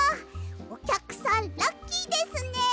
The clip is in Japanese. おきゃくさんラッキーですね。